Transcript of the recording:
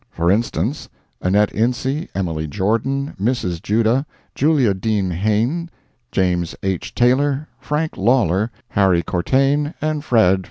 For instance—Annette Ince, Emily Jordan, Mrs. Judah, Julia Dean Hayne, James H. Taylor, Frank Lawlor, Harry Courtaine and Fred.